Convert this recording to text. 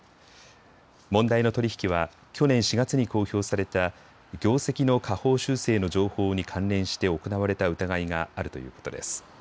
問題の取り引きは去年４月に公表された業績の下方修正の情報に関連して行われた疑いがあるということです。